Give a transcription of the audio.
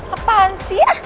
apaan sih ya